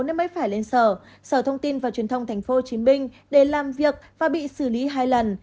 nếu mới phải lên sở sở thông tin và truyền thông tp hcm để làm việc và bị xử lý hai lần